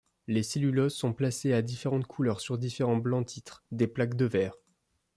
Les cellulos sont placés à différentes hauteurs sur différents bancs-titres, des plaques de verre.